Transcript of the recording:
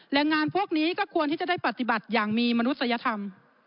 แรงงานพวกนี้ก็ควรที่จะได้ปฏิบัติอย่างมีมนุษยธรรม